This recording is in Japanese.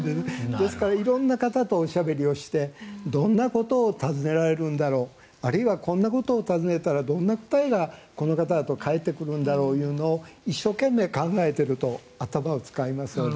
ですから色んな方とおしゃべりをしてどんなことを尋ねられるんだろうあるいはこんなことを尋ねたらどんな答えがこの方だと返ってくるんだろうというのを一生懸命、考えていますと頭を使いますので。